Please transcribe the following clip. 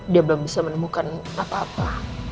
dia belum bisa menemukan apa apa